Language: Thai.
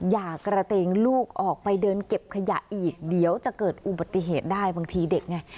อย่ากระเตงลูกออกไปเดินเก็บขยะอีกเดี๋ยวจะเกิดอุบัติเหตุได้บางทีเด็กไง